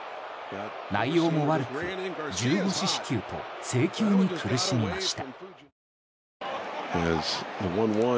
内容も悪く１５四死球と制球に苦しみました。